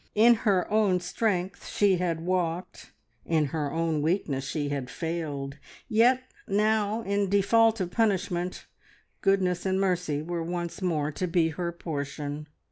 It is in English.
In her own strength she had walked, in her own weakness she had failed. Yet now, in default of punishment, goodness and mercy were once more to be her portion!